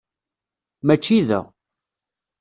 Mačči da.